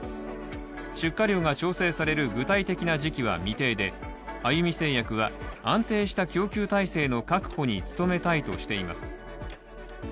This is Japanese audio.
出荷量が調整される具体的な時期は未定であゆみ製薬は、安定した供給体制の確保に努めたいとしています。